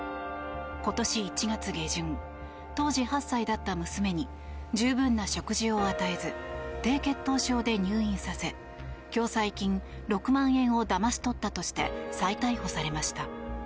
今年１月下旬当時８歳だった娘に十分な食事を与えず低血糖症で入院させ共済金６万円をだまし取ったとして再逮捕されました。